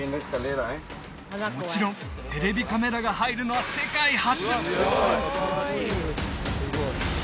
もちろんテレビカメラが入るのは世界初！